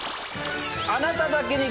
あなただけに！